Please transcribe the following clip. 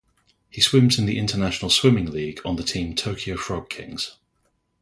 He swims in the International Swimming League on the team Tokyo Frog Kings.